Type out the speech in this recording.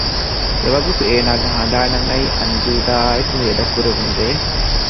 އެވަގުތު އޭނާގެ ހަނދާނަށް އައީ އަންޖޫދާ އާއެކު ހޭދަކުރެވުނު ރޭ